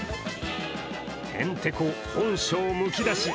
へんてこ、本性むき出し